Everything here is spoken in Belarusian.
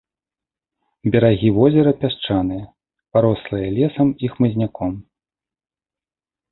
Берагі возера пясчаныя, парослыя лесам і хмызняком.